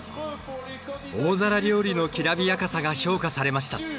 大皿料理のきらびやかさが評価されました。